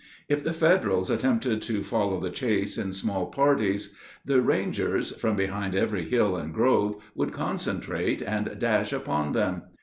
If the Federals attempted to follow the chase in small parties, the Rangers, from behind every hill and grove, would concentrate and dash upon them.